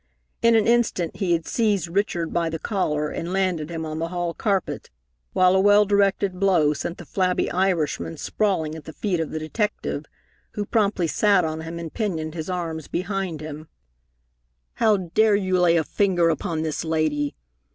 In an instant he had seized Richard by the collar and landed him on the hall carpet, while a well directed blow sent the flabby Irishman sprawling at the feet of the detective, who promptly sat on him and pinioned his arms behind him. "How dare you lay a finger upon this lady?"